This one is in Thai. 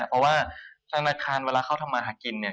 เพราะว่าธนาคารเวลาเขาทำมาหากินเนี่ย